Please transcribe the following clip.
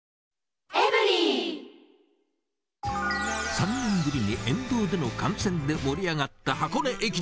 ３年ぶりに沿道での観戦で盛り上がった箱根駅伝。